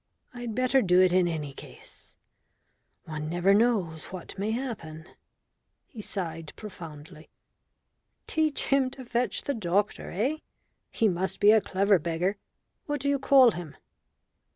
I'd better do it in any case one never knows what may happen." He sighed profoundly. "Teach him to fetch the doctor eh? He must be a clever beggar. What do you call him?"